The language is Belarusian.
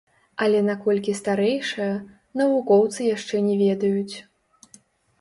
Але на колькі старэйшае, навукоўцы яшчэ не ведаюць.